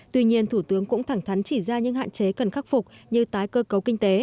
tuy nhiên thủ tướng cũng thẳng thắn chỉ ra những hạn chế cần khắc phục như tái cơ cấu kinh tế